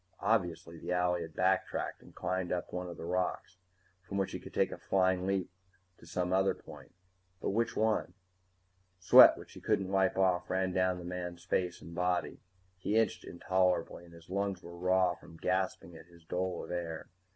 Obviously the owlie had backtracked and climbed up one of those rocks, from which he could take a flying leap to some other point. But which one? Sweat which he couldn't wipe off ran down the man's face and body. He itched intolerably, and his lungs were raw from gasping at his dole of air.